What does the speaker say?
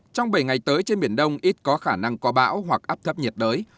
trong bảy ngày tới trên miền đông ít có khả năng có bão hoặc áp thấp nhiệt đới